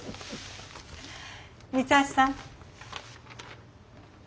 三橋さん。